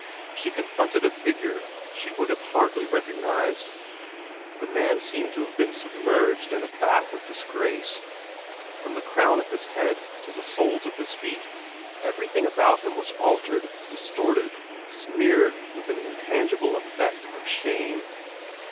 She confronted a figure she would have hardly recognized. The man seemed to have been submerged in a bath of disgrace. From the crown of his head to the soles of his feet, everything about him was altered, distorted, smeared with an intangible effect of shame.